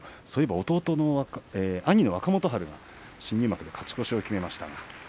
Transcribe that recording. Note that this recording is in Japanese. そういえば、きょうは兄の若元春が新入幕で勝ち越しを決めました。